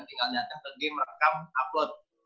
tinggal nyari nyari ke game rekam upload